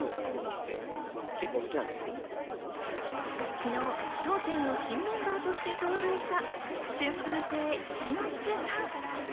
昨日、『笑点』の新メンバーとして登場した春風亭一之輔さん。